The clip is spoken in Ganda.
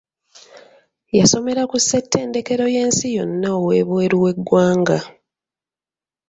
Yasomera ku ssettendekero y'ensi yonna ow'ebweru w'eggwanga.